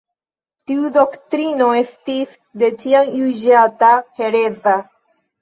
Tiu doktrino estis de ĉiam juĝata hereza.